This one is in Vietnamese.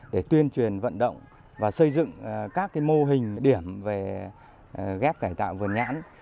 để tuyên truyền vận động và xây dựng các mô hình điểm về ghép cải tạo vườn nhãn